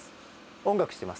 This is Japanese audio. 音楽してます。